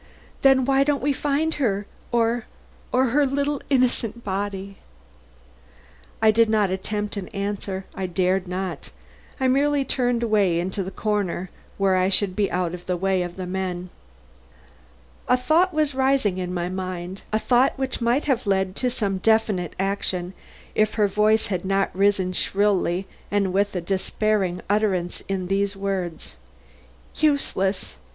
Then why don't we find her, or or her little innocent body?" I did not attempt an answer; I dared not I merely turned away into a corner, where I should be out of the way of the men. A thought was rising in my mind; a thought which might have led to some definite action if her voice had not risen shrilly and with a despairing utterance in these words: "Useless!